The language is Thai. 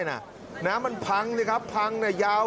ได้น่ะน้ำมันพังด้วยครับพังเนี่ยยาว